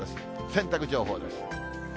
洗濯情報です。